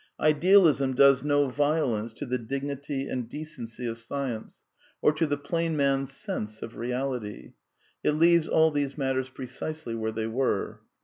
Idealism does no violence to the ii ^ 216 A DEFENCE OF IDEALISM dignity and decency of science, or to the plain man's sense of reality. It leaves all these matters precisely where they were.